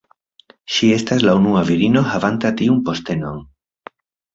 Ŝi estas la unua virino havanta tiun postenon.